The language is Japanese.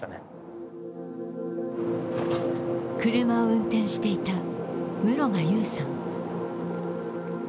車を運転していた室賀裕さん。